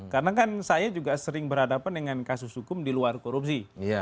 karena kan saya juga sering berhadapan dengan kasus hukum di luar korupsi